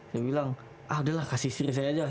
saya bilang ah udah lah kasih istri saya aja